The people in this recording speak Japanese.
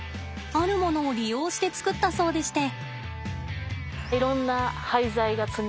あるものを利用して作ったそうでして。